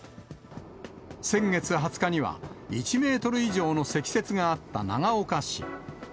先月２０日には、１メートル以上の積雪があった長岡市。